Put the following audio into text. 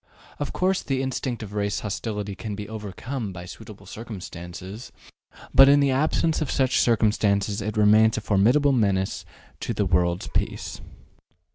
Of course the instinct of race hostility can be overcome by suitable circumstances; but in the absence of such circumstances it remains a formidable menace to the world's peace.